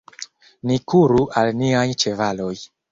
Ni kuru al niaj ĉevaloj.